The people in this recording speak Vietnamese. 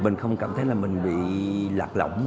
mình không cảm thấy là mình bị lạc lỏng